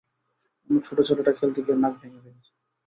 আমার ছোট ছেলেটা খেলতে গিয়ে নাক ভেঙে ফেলেছে।